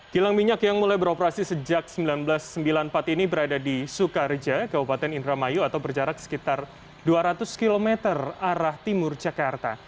kilang minyak yang mulai beroperasi sejak seribu sembilan ratus sembilan puluh empat ini berada di sukareja kabupaten indramayu atau berjarak sekitar dua ratus km arah timur jakarta